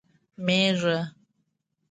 🐑 مېږه